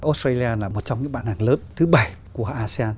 australia là một trong những bạn hàng lớp thứ bảy của asean